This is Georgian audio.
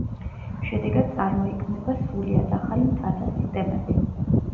შედეგად წარმოიქმნება სრულიად ახალი მთათა სისტემები.